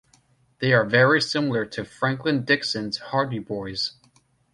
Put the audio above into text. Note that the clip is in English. They are very similar to Franklin Dixon's Hardy Boys.